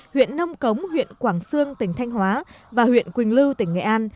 huyện nông cống huyện quảng sương tỉnh thanh hóa và huyện quỳnh lưu tỉnh nghệ an